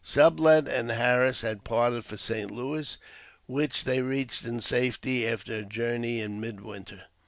Sublet and Harris had parted for St. Louis, which they reached in safety after a journey in mid winter.